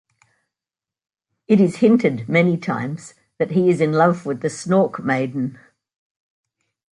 It is hinted many times that he is in love with the Snork Maiden.